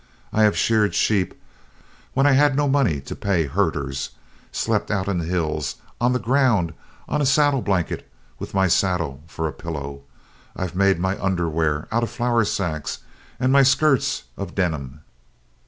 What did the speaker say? "I have sheared sheep when I had no money to pay herders, slept out in the hills on the ground on a saddle blanket with my saddle for a pillow. I've made my underwear out of flour sacks and my skirts of denim.